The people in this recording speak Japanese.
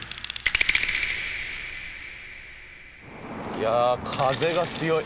いや風が強い。